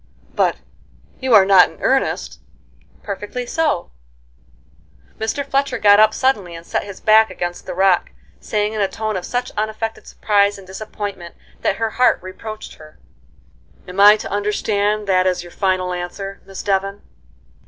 "But you are not in earnest?" "Perfectly so." Mr. Fletcher got up suddenly and set his back against the rock, saying in a tone of such unaffected surprise and disappointment that her heart reproached her: [Illustration: "NO, I THANK YOU."] "Am I to understand that as your final answer, Miss Devon?"